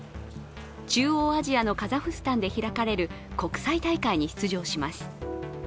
中央アジアのカザフスタンで開かれる国際大会に出場します。